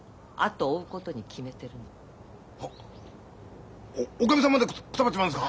はっおっおかみさんまでくたばっちまうんですか？